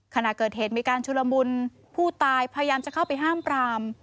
ขณะเกิดเหตุมีการชุลมุนผู้ตายพยายามจะเข้าไปห้ามปราม